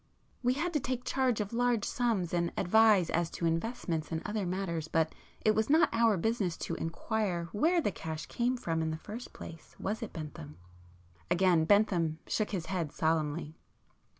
"We had to take charge of large sums, and advise as to investments and other matters,—but it was not our business to inquire where the cash came from in the first place, was it, Bentham?" Again Bentham shook his head solemnly.